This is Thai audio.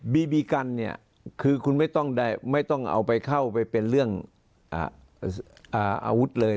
บีบีกันเนี่ยคือคุณไม่ต้องเอาไปเข้าไปเป็นเรื่องอาวุธเลย